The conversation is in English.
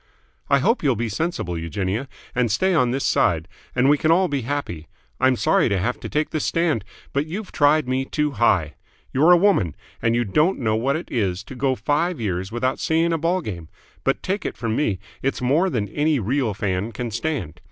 "I hope you'll be sensible, Eugenia, and stay on this side, and we can all be happy. I'm sorry to have to take this stand, but you tried me too high. You're a woman, and you don't know what it is to go five years without seeing a ball game; but take it from me it's more than any real fan can stand.